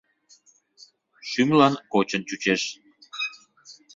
Шӱмлан кочын чучеш.